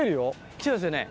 来てますよね。